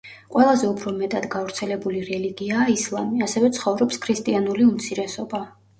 ყველაზე უფრო მეტად გავრცელებული რელიგიაა ისლამი, ასევე ცხოვრობს ქრისტიანული უმცირესობა.